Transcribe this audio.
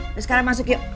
abis sekarang masuk yuk